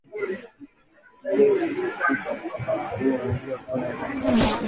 kisha bekteria hao huingia kwenye mfumo wa kusaga au kumengenya chakula